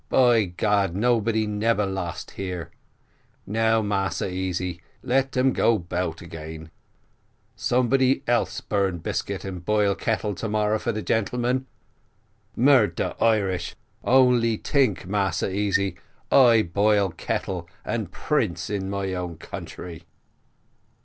By God, nobody nebba lost here. Now, Massa Easy, let um go 'bout gain. Somebody else burn biscuit and boil kettle to morrow for de gentlemen. Murder Irish! only tink, Massa Easy I boil kettle, and prince in my own country!"